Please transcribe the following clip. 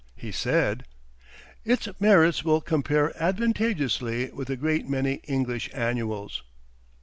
He said: "Its merits will compare advantageously with a great many English Annuals."